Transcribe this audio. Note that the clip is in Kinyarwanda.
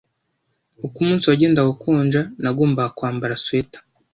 Uko umunsi wagendaga ukonja, nagombaga kwambara swater.